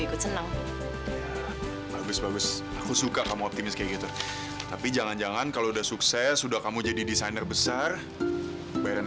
aku masih banyak kerjaan yang aku harus selesaikan